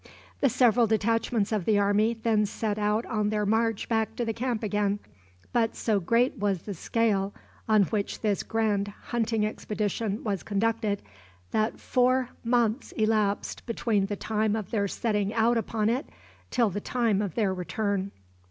The several detachments of the army then set out on their march back to the camp again. But so great was the scale on which this grand hunting expedition was conducted, that four months elapsed between the time of their setting out upon it till the time of their return.